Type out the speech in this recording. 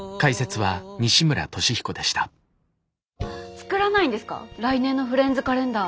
作らないんですか来年のフレンズカレンダー。